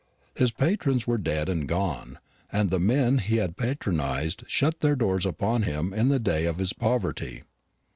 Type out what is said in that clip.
His patrons were dead and gone, and the men he had patronised shut their doors upon him in the day of his poverty.